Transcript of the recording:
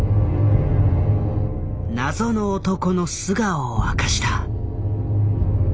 謎の男の素顔を明かした。